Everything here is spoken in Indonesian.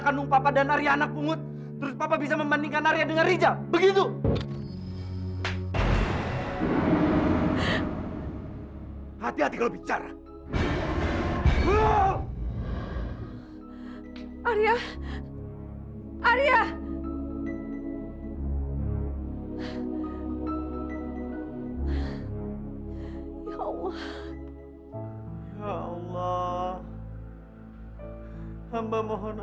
hubungan jenis kindern